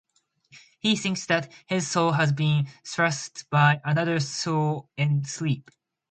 He thinks that his soul has been thrashed by another soul in sleep.